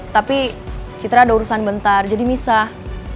tapi citra ada urusan bentar jadi misah